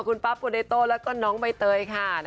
คุณปั๊บกุฎเนโตแล้วก็น้องวัยเตยค่ะ